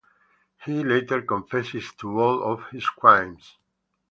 He later confessed to all of his crimes.